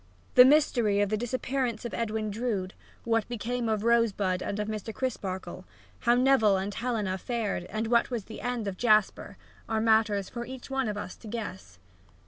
The mystery of the disappearance of Edwin Drood, what became of Rosebud and of Mr. Crisparkle, how Neville and Helena fared and what was the end of Jasper, are matters for each one of us to guess.